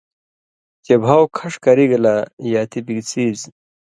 چے بھاٶ کھݜ کرِگ لہ یاتی بگ څیز